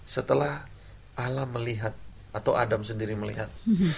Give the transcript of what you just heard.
setelah alam melihat atau adam sendiri melihat